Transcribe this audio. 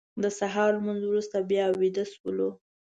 د سهار لمونځ وروسته بیا ویده شولو.